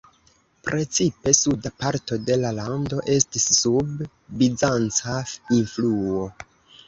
Precipe suda parto de la lando estis sub bizanca influo.